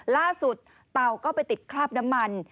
ล่าสุดเตาก็ไปติดคราบน้ำมัน